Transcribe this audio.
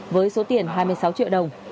với số tiền hai mươi sáu triệu đồng